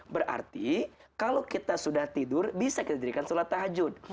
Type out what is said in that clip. berarti kalau kita sudah tidur bisa kita jadikan sholat tahajud